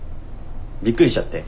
びっくりしちゃって。